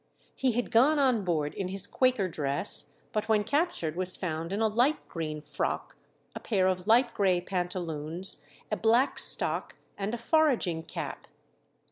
He had gone on board in his Quaker dress, but when captured was found in a light green frock, a pair of light grey pantaloons, a black stock and a foraging cap.